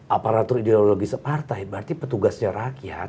aparatur ideologis partai berarti petugasnya rakyat